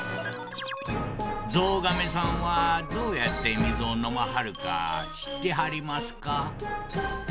ゾウガメさんはどうやってみずをのまはるかしってはりますか？